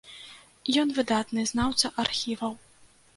Ён выдатны знаўца архіваў.